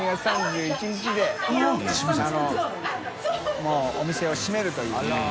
發お店を閉めるというね。